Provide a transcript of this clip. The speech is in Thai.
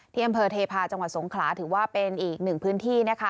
ที่อำเภอเทพาะจังหวัดสงขลาถือว่าเป็นอีกหนึ่งพื้นที่นะคะ